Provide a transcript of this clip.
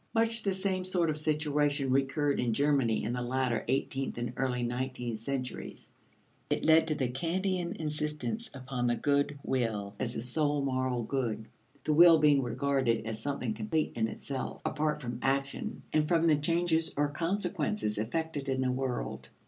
Much the same sort of situation recurred in Germany in the later eighteenth and early nineteenth centuries; it led to the Kantian insistence upon the good will as the sole moral good, the will being regarded as something complete in itself, apart from action and from the changes or consequences effected in the world.